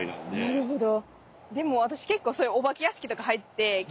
なるほど。